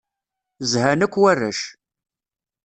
Zhan akk warrac.